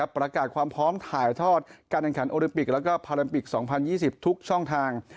ประกาศความพร้อมถ่ายทอดการแข่งขันโอลิมปิกแล้วก็พาแลมปิก๒๐๒๐ทุกช่องทาง